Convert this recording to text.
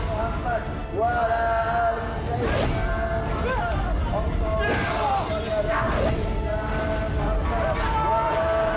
jangan dengar aku akan hentikan